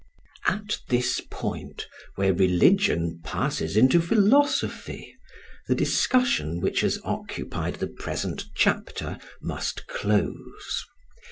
At this point, where religion passes into philosophy, the discussion which has occupied the present chapter must close.